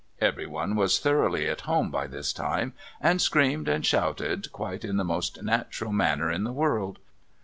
Everyone was thoroughly at home by this time, and screamed and shouted quite in the most natural manner in the world.